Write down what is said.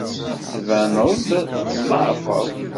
Tettbaneḍ-d tḍeɛfeḍ.